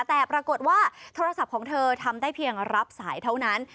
แต่ปรากฏว่าโทรศัพท์ของเธอทำได้เพียงรับสายเท่านั้น